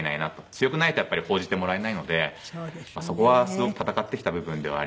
強くないとやっぱり報じてもらえないのでそこはすごく闘ってきた部分ではありますね。